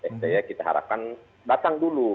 sda kita harapkan datang dulu